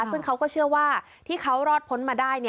ซึ่งเขาก็เชื่อว่าที่เขารอดพ้นมาได้